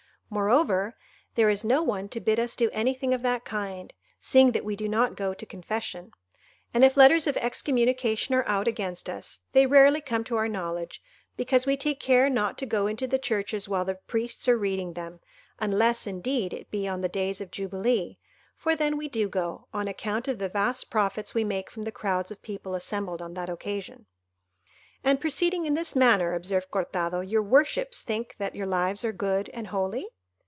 Moreover, there is no one to bid us do anything of that kind, seeing that we do not go to confession. And if letters of excommunication are out against us, they rarely come to our knowledge, because we take care not to go into the churches while the priests are reading them, unless, indeed, it be on the days of Jubilee, for then we do go, on account of the vast profits we make from the crowds of people assembled on that occasion." "And proceeding in this manner," observed Cortado, "your worships think that your lives are good and holy?"